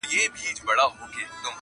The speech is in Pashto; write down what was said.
دا د پردیو اجل مه ورانوی!